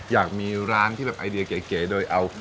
อยากมีร้านที่แบบไอเดียเก๋โดยเอา